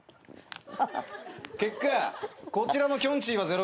結果こちらのきょんちぃは０回。